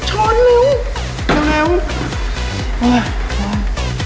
ไม่ต้องกลับมาที่นี่